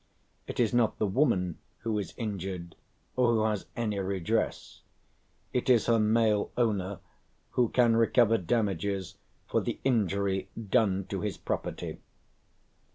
It is not the woman who is injured, or who has any redress; it is her male owner who can recover damages for the injury done to his property."